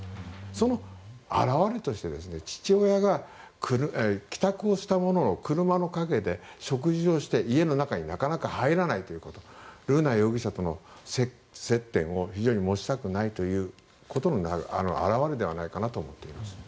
その表れとして父親が帰宅をしたものの車の陰で食事をして、家の中になかなか入らないということ瑠奈容疑者との接点を非常に持ちたくないということの表れではないかと思います。